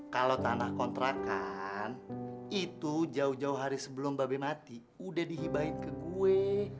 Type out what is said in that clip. kalau tanah kontrakan itu jauh jauh hari sebelum babe mati udah dihibahin ke kue